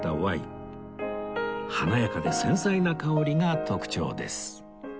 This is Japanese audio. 華やかで繊細な香りが特徴です